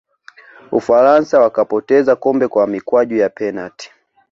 ufaransa wakapoteza kombe kwa mikwaju ya penati